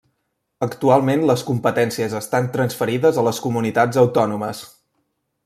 Actualment les competències estan transferides a les comunitats autònomes.